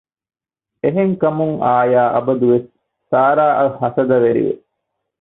އެހެންކަމުން އާޔާ އަބަދުވެސް ސާރާއަށް ހަސަދަވެރިވެ